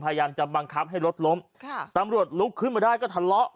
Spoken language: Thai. พยายามจะบังคับให้รถล้มค่ะตำรวจลุกขึ้นมาได้ก็ทะเลาะ